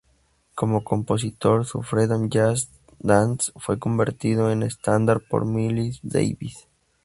Como compositor, su "Freedom Jazz Dance" fue convertido en estándar por "Miles Davis".